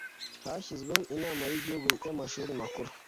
hashyizweho inama y'igihugu y'amashuri makuru